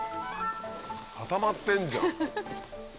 固まってんじゃん。